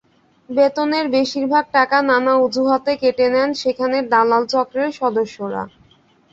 বেতনের বেশির ভাগ টাকা নানা অজুহাতে কেটে নেন সেখানকার দালাল চক্রের সদস্যরা।